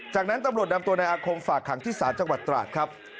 จากนั้นตำรวจนำตัวนายอาคมฝากขังที่ศาลจังหวัดตราดครับ